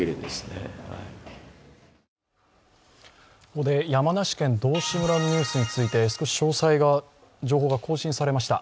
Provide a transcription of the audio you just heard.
ここで山梨県道志村のニュースについて少し情報が更新されました。